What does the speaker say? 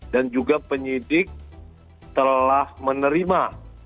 dan juga penyidik telah menerima